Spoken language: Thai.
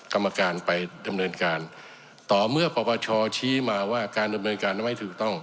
กรรมการไปดำเนินการต่อเมื่อปปชชี้มาว่าการดำเนินการนั้นไม่ถูกต้อง